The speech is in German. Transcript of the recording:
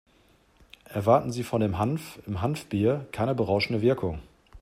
Erwarten Sie von dem Hanf im Hanfbier keine berauschende Wirkung.